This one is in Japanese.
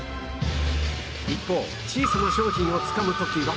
一方小さな商品をつかむ時は